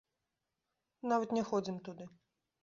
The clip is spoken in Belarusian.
Нават не ходзім туды.